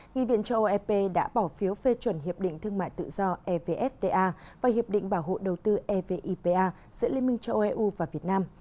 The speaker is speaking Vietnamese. nghị viện châu âu ep đã bỏ phiếu phê chuẩn hiệp định thương mại tự do evfta và hiệp định bảo hộ đầu tư evipa giữa liên minh châu âu eu và việt nam